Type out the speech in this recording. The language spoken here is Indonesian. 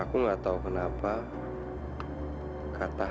aku ga tau kenapa